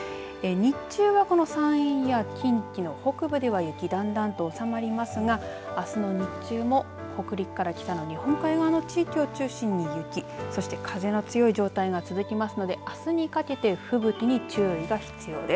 日中はこの山陰や近畿の北部では、雪だんだんと収まりますがあすの日中も北陸から北の日本海側の地域を中心に雪そして風の強い状態が続きますので、あすにかけて吹雪に注意が必要です。